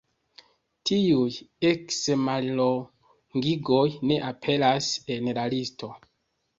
Tiuj eks-mallongigoj ne aperas en la listo.